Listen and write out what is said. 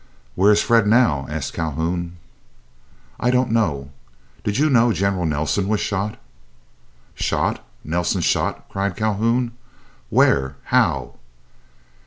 "Where is Fred now?" asked Calhoun. "I don't know. Did you know General Nelson was shot?" "Shot? Nelson shot?" cried Calhoun. "Where? How?"